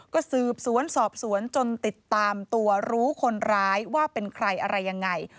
ก็สืบสวนสอบสวนจนติดตามตัวรู้คนร้ายว่าเป็นใครอะไรยังไง